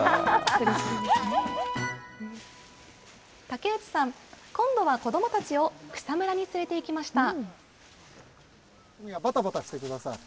竹内さん、今度は子どもたちを草むらへ連れていきました。